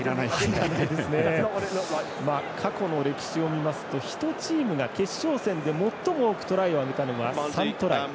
過去の歴史を見ますと１チームが決勝戦で最も多くトライを挙げたのは３トライ。